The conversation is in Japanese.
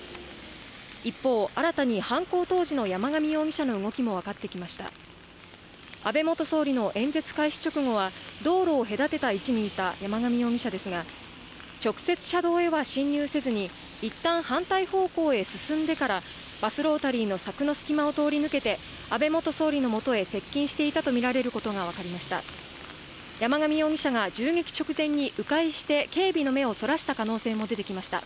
一方新たに犯行当時の山上容疑者の動きも分かってきました安倍元総理の演説開始直後は道路を隔てた位置にいた山上容疑者ですが直接車道へは進入せずに一旦反対方向へ進んでからバスロータリーの柵の隙間を通り抜けて安倍元総理のもとへ接近していたと見られることが分かりました山上容疑者が銃撃直前に迂回して警備の目をそらした可能性も出てきました